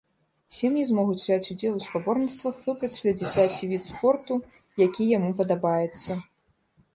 Сем'і змогуць узяць удзел у спаборніцтвах, выбраць для дзіцяці від спорту, які яму падабаецца.